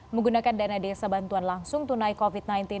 menggunakan dana desa bantuan langsung tunai covid sembilan belas